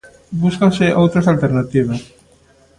Búscanse outras alternativas.